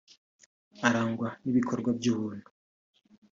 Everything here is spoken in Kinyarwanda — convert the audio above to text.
Arangwa n’ibikorwa by’ubumuntu